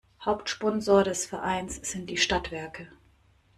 Hauptsponsor des Vereins sind die Stadtwerke.